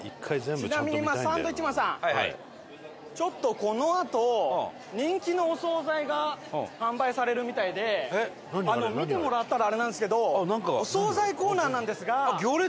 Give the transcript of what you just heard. ちなみにサンドウィッチマンさんちょっとこのあと人気のお総菜が販売されるみたいで見てもらったらあれなんですけどお総菜コーナーなんですが。